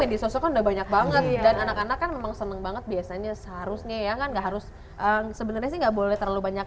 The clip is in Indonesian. kayak resembles punya banyak banget ya nih dan anak anakkan memang seneng banget biasanya basement